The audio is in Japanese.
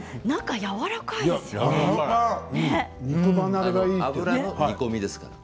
やわらかいですよね。